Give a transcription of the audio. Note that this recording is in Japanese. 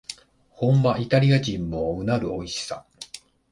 本場イタリア人もうなるおいしさ